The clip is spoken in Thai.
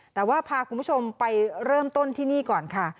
แต่ว่าพาคุณผู้ชมไปเริ่มต้นที่นี่ก่อนค่ะ